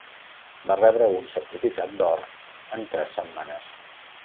Va rebre un certificat d'or en tres setmanes.